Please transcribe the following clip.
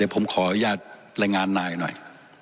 ผมขออนุญาตรายงานนายหน่อย